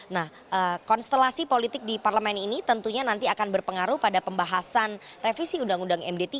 nah konstelasi politik di parlemen ini tentunya nanti akan berpengaruh pada pembahasan revisi undang undang md tiga